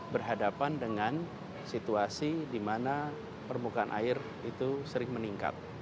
berhadapan dengan situasi di mana permukaan air itu sering meningkat